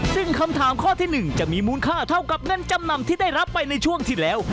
ซึ่งคำถามข้อที่๑จะมีมูลค่าเท่ากับเงินจำนำที่ได้รับไปในช่วงที่แล้ว